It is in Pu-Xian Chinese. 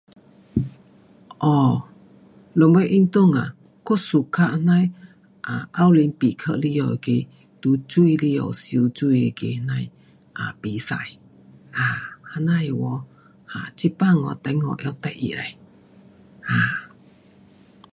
哦，什么运动啊，我 suka 这样的啊，奥林匹克里下的那个潜水进去游泳那个这样的那个比赛，um 这样的哦，这次中国拿第一呃，啊。